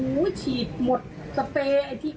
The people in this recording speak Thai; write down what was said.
ประตูที่ขัดออกไปต้องฉีด